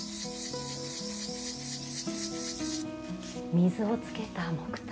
水をつけた木炭。